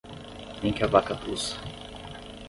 Nem que a vaca tussa